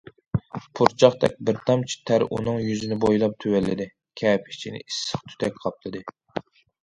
پۇرچاقتەك بىر تامچە تەر ئۇنىڭ يۈزىنى بويلاپ تۆۋەنلىدى، كەپە ئىچىنى ئىسسىق تۈتەك قاپلىدى.